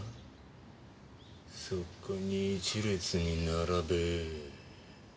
そこに一列に並べ。